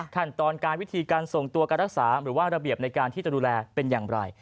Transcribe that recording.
ขั้นตอนการวิธีการส่งตัวการรักษาหรือว่าระเบียบในการที่จะดูแลเป็นอย่างไร